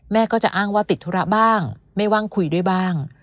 แม่ก็จะอ้างว่าติดธุระบ้างไม่ว่างคุยด้วยบ้าง